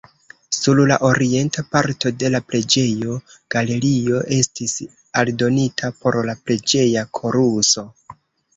Sur la orienta parto de la preĝejo, galerio estis aldonita por la preĝeja koruso.